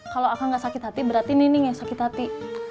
kalau akang gak sakit hati berarti neneng yang sakit hati